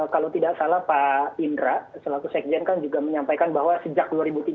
kalau tidak salah pak indra selaku sekjen kan juga menyampaikan bahwa sejak dua ribu tiga belas